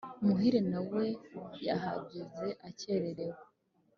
muhire nawe yahageze akererewe